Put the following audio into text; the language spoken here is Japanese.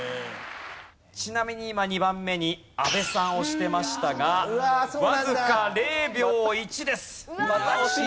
ちなみに今２番目に阿部さん押してましたがわずか０秒１です。